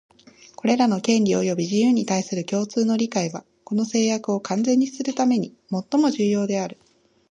これらの権利及び自由に対する共通の理解は、この誓約を完全にするためにもっとも重要である